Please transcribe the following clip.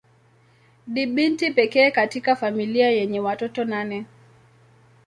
Ni binti pekee katika familia yenye watoto nane.